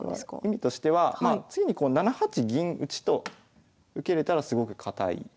意味としては次に７八銀打と受けれたらすごく堅い。